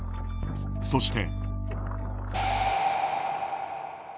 そして。